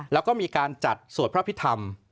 แล้วก็มีการจัดสวดพระพิธรรม